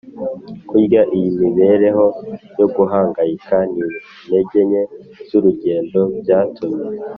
kurya. iyi mibereho yo guhangayika n'intege nke z'urugendo byatumye